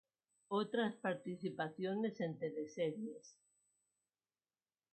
Otras participaciones en teleseries